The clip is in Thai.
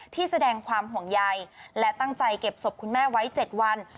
ตั้งใจเก็บศพคุณแม่ไว้๗วัน